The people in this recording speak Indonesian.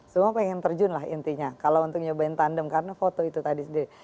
semua pengen terjun lah intinya kalau untuk nyobain tandem karena foto itu tadi sendiri